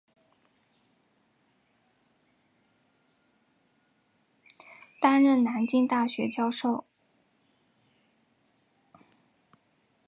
担任南京大学教授。